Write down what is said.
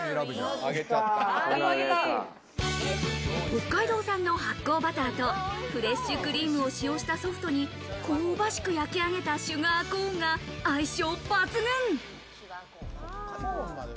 北海道産の発酵バターとフレッシュクリームを使用したソフトに香ばしく焼き上げたシュガーコーンが相性抜群。